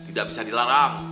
tidak bisa dilarang